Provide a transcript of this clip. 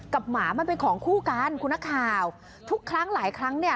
หมามันเป็นของคู่กันคุณนักข่าวทุกครั้งหลายครั้งเนี่ย